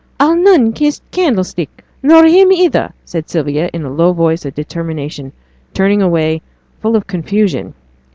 'I'll none kiss t' candlestick, nor him either,' said Sylvia, in a low voice of determination, turning away, full of confusion.